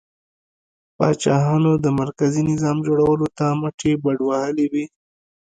پاچاهانو د مرکزي نظام جوړولو ته مټې بډ وهلې وې.